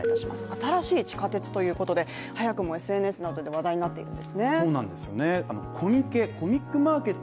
新しい地下鉄ということで早くもＳＮＳなどで話題になっているんですね。